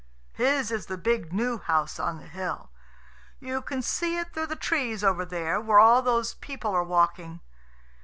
His is the big new house on the hill. You can see it through the trees over there, where all these people are walking.